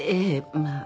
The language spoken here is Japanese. まあ。